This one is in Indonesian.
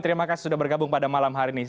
terima kasih sudah bergabung pada malam hari ini